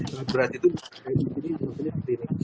sangat berarti itu berarti di sini maksudnya di sini